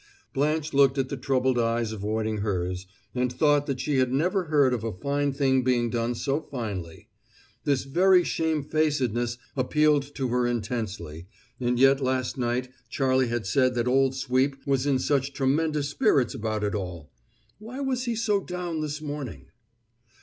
Blanche looked at the troubled eyes avoiding hers, and thought that she had never heard of a fine thing being done so finely. This very shamefacedness appealed to her intensely, and yet last night Charlie had said that old Sweep was in such tremendous spirits about it all! Why was he so down this morning?